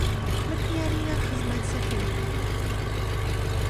بردیانینە خزمەت سەفیر